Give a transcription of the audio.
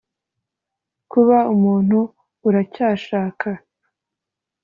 kuba umuntu uracyashaka